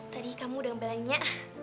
tadi kamu udah ngebelainnya